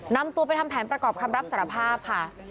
นำตัวไปทำแผนประกอบคำรับสารภาพค่ะ